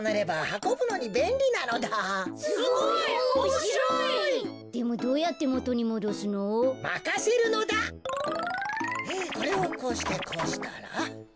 これをこうしてこうしたら。